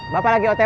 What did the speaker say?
bapak lagi otw